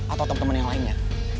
atau temen temen yang lainnya